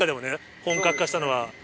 本格化したのは。